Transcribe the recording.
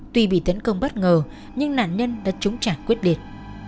tuy bị tấn công bất ngờ nhưng nạn nhân đã chống trả quyết liệt